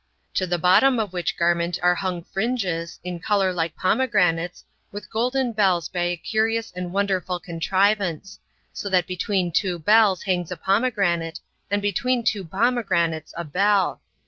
To the bottom of which garment are hung fringes, in color like pomegranates, with golden bells 13 by a curious and beautiful contrivance; so that between two bells hangs a pomegranate, and between two pomegranates a bell.